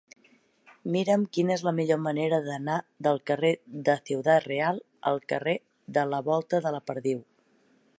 Mira'm quina és la millor manera d'anar del carrer de Ciudad Real al carrer de la Volta de la Perdiu.